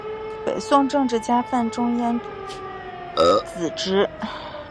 北宋政治家范仲淹子侄。